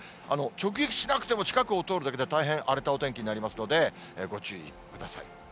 直撃しなくても近くを通るだけで大変荒れたお天気になりますので、ご注意ください。